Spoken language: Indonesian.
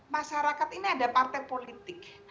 masyarakat ini ada partai politik